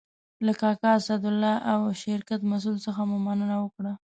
له کاکا اسدالله او شرکت مسئول څخه مو مننه وکړه.